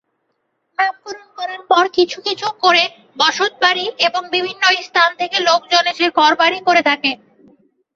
নামকরণ করার পর কিছু কিছু করে বসত বাড়ী এবং বিভিন্ন স্থান থেকে লোক জন এসে ঘর বাড়ী করে থাকে।